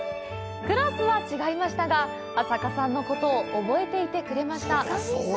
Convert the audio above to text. クラスは違いましたが朝加さんのことを覚えていてくれました。